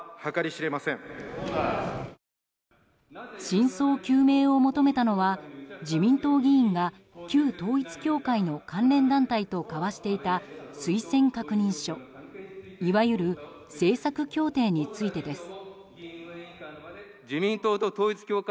真相究明を求めたのは自民党議員が旧統一教会の関連団体と交わしていた推薦確認書いわゆる政策協定についてです。